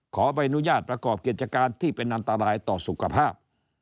ขอใบอนุญาตประกอบกิจการที่เป็นอันตรายต่อสุขภาพ